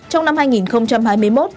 trong năm hai nghìn hai mươi một